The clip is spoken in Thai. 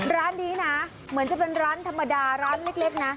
ร้านนี้นะเหมือนจะเป็นร้านธรรมดาร้านเล็กนะ